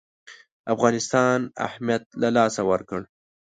افغانستان اهمیت له لاسه ورکړ.